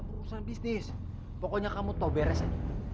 pasto keluar aja